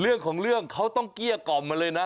เรื่องของเรื่องเขาต้องเกลี้ยกล่อมมาเลยนะ